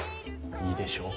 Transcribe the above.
いいでしょう！